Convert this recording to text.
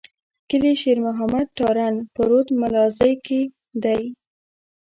کلي شېر محمد تارڼ په رود ملازۍ کي دی.